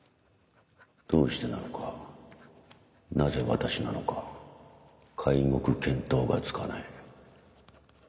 どうしてなのかなぜ私なのか皆目見当がつかない」。